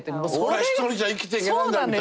俺は１人じゃ生きていけないんだみたいな。